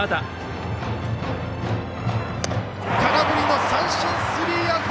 空振りの三振スリーアウト！